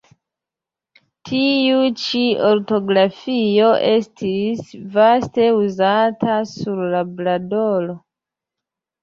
Tiu ĉi ortografio estis vaste uzata sur Labradoro.